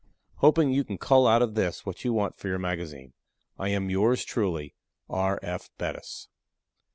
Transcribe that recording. Hoping you can cull out of this what you want for your magazine, I am Yours truly, R. F. BETTIS."